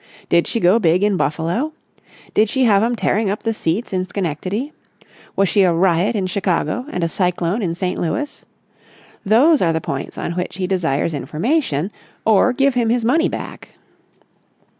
Did she go big in Buffalo? Did she have 'em tearing up the seats in Schenectady? Was she a riot in Chicago and a cyclone in St. Louis? Those are the points on which he desires information, or give him his money back.